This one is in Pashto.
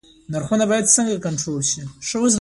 نرخونه باید څنګه کنټرول شي؟